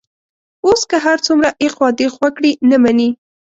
اوس که هر څومره ایخوا دیخوا کړي، نه مني.